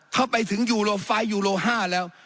เข้าไปถึงยูโรไฟล์ยูโรห้าแล้ว